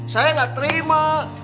saya gak terima